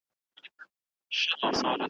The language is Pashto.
د مثال په ډول زه دادی اوس یو آزاد شعر لیکم ,